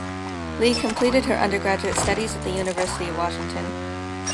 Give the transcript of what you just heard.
Lee completed her undergraduate studies at the University of Washington.